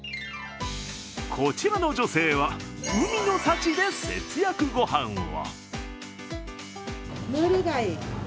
こちらの女性は海の幸で節約ご飯を。